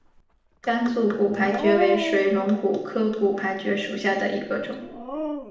甘肃骨牌蕨为水龙骨科骨牌蕨属下的一个种。